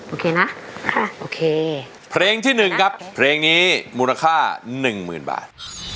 โอเคนะโอเคเพลงที่๑ครับเพลงนี้มูลค่าหนึ่งหมื่นบาท